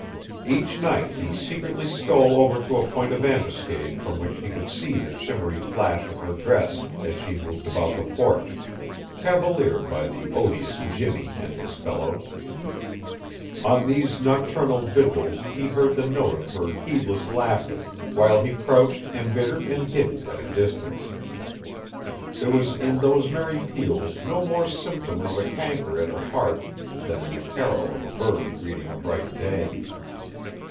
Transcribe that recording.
Each night he secretly stole over to a point of ambuscade from which he could see the shimmery flash of her dress as she moved about the porch, cavaliered by the odious Jimmy and his fellows. On these nocturnal vigils he heard the note of her heedless laughter while he crouched embittered and hidden at a distance. There was in those merry peals no more symptom of a canker at her heart than in the carol of a bird greeting a bright day.